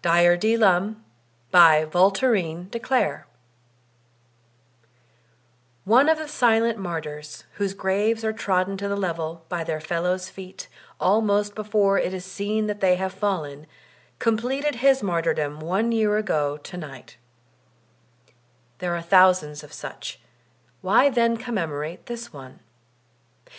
Dyer D. Lum February 15, 1839— April 6, 1893) ONE of the silent martyrs whose graves are trodden to the level by their fellows' feet, almost before it is seen that they have fallen, completed his mar tyrdom one year ago to night There are thousands of such, why then commemorate this one?